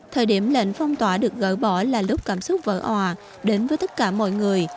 thời điểm lệnh phong tỏa được gỡ bỏ là lúc cảm xúc vỡ òa đến với tất cả mọi người